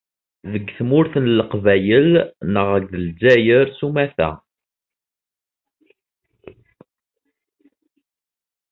Deg tmurt n Leqbayel neɣ deg Lezzayer sumata.